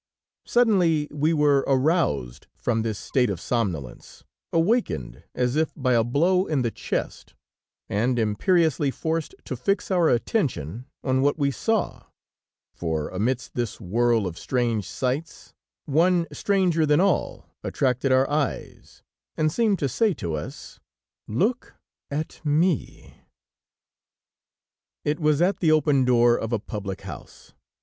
Suddenly we were aroused from this state of somnolence, awakened as if by a blow in the chest, and imperiously forced to fix our attention on what we saw, for amidst this whirl of strange sights, one stranger than all attracted our eyes and seemed to say to us: "Look at me." It was at the open door of a public house.